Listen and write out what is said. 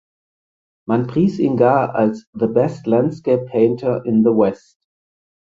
Man pries ihn gar als „the best landscape painter in the West“.